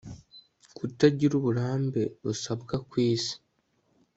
kutagira uburambe busabwa ku isi